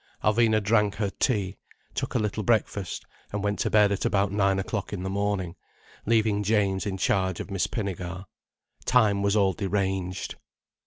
Alvina drank her tea, took a little breakfast, and went to bed at about nine o'clock in the morning, leaving James in charge of Miss Pinnegar. Time was all deranged.